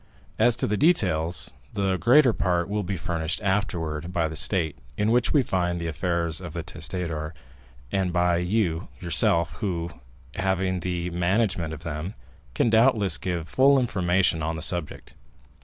As to the details, the greater part will be furnished afterwards by the state in which we find the affairs of the testator, and by yourself, who, having had the management of them, can doubtless give full information on the subject.